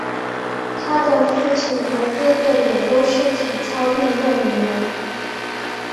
她的父亲和哥哥也都是体操运动员。